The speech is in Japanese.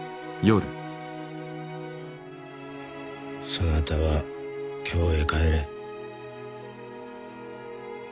そなたは京へ帰れ。